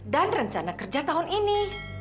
dan rencana kerja tahun ini